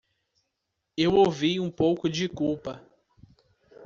Eu ouvi um pouco de culpa